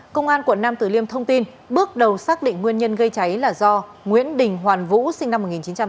công an quận nam tử liêm thông tin bước đầu xác định nguyên nhân gây cháy là do nguyễn đình hoàn vũ sinh năm một nghìn chín trăm tám mươi